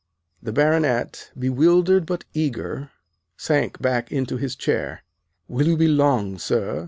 The Baronet, bewildered but eager, sank back into his chair. "Will you be long, sir!"